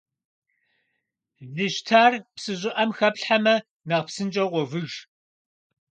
Лы щтар псы щӏыӏэм хэплъхьэмэ, нэхъ псынщӏэу къовыж.